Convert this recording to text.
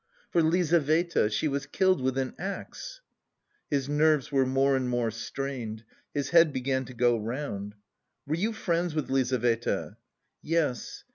"For Lizaveta. She was killed with an axe." His nerves were more and more strained. His head began to go round. "Were you friends with Lizaveta?" "Yes....